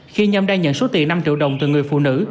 khi nhâm đang nhận số tiền năm triệu đồng từ người phụ nữ